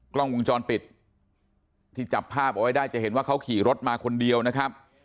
กล้องวงจรปิดที่จับภาพเอาไว้ได้จะเห็นว่าเขาขี่รถมาคนเดียวนะครับ